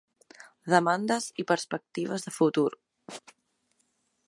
Demandes i perspectives de futur.